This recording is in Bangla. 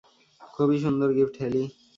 খুবই সুন্দর গিফট, হেলি।